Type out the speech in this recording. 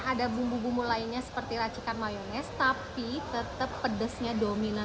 ada bumbu bumbu lainnya seperti racikan mayonis tapi tetep pedesnya dominan